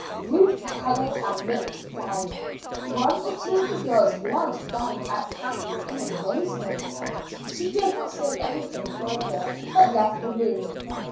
Ruth colored and looked down. One or two of the girls glanced round at Kathleen in amazement. She did not say anything further but left the room.